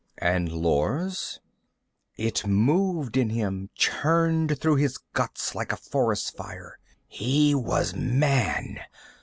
And Lors? It moved in him, churned through his guts like a forest fire. He was man!